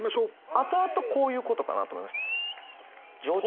あとあとこういうことかなと思いました。